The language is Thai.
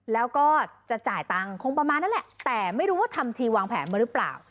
แล้วก็จะจ่ายตังค์คงประมาณนั้นแหละแต่ไม่รู้ว่าทำทีวางแผนมาหรือเปล่า